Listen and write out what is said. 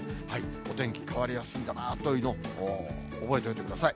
お天気変わりやすいんだなというのを覚えておいてください。